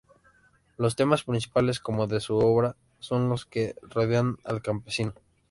Los temas principales, como de su obra, son los que rodean al campesino.